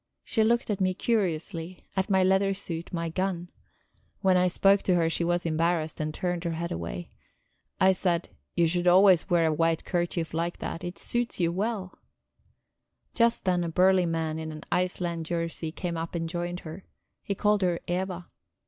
She looked at me curiously, at my leather suit, my gun; when I spoke to her, she was embarrassed, and turned her head away. I said: "You should always wear a white kerchief like that; it suits you well." Just then a burly man in an Iceland jersey came up and joined her; he called her Eva.